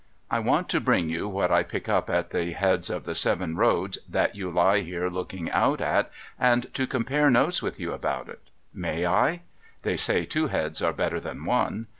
I want to bring you what I pick up at the heads of the seven roads that you lie here looking out at, and to compare notes with you about it. May I ? They say two heads are better than one.